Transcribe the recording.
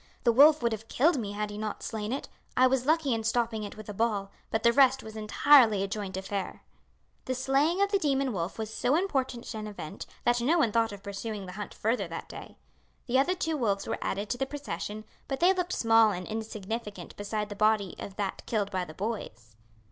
"The wolf would have killed me had he not slain it. I was lucky in stopping it with a ball, but the rest was entirely a joint affair." The slaying of the demon wolf was so important an event that no one thought of pursuing the hunt further that day. The other two wolves were added to the procession, but they looked small and insignificant beside the body of that killed by the boys.